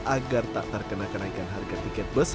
agar tak terkena kenaikan harga tiket bus